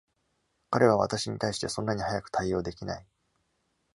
彼は私に対してそんなに速く対応できない。